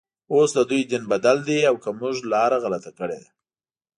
اوس ددوی دین بدل دی او که موږ لاره غلطه کړې ده.